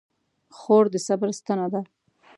خور د صبر ستنه ده.